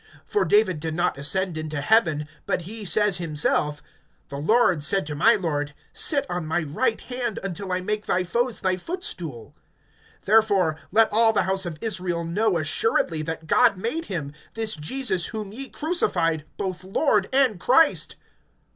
(34)For David did not ascend into heaven; but he says himself: The Lord said to my Lord, Sit on my right hand, (35)Until I make thy foes thy footstool. (36)Therefore let all the house of Israel know assuredly, that God made him, this Jesus whom ye crucified, both Lord and Christ.